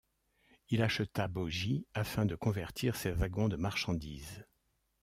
Il acheta bogies afin de convertir ses wagons de marchandises.